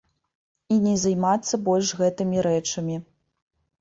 І не займацца больш гэтымі рэчамі.